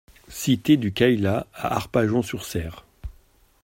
Cité du Cayla à Arpajon-sur-Cère